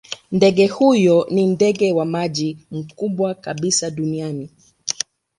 Ndege huyo ni ndege wa maji mkubwa kabisa duniani.